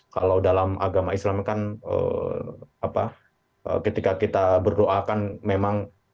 kalau dalam agama islam kan ketika kita berdoakan memang